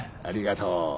ありがとう。